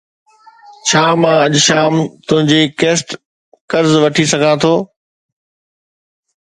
ڇا مان اڄ شام تنهنجي ڪيسٽ قرض وٺي سگهان ٿو؟